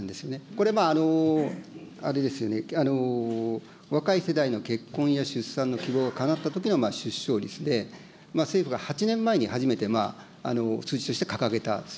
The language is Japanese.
これ、あれですよね、若い世代の結婚や出産の希望がかなったときの出生率で、政府が８年前に初めて数字として掲げた。